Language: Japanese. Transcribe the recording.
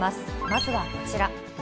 まずはこちら。